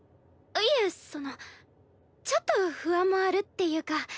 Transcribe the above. いえそのちょっと不安もあるっていうか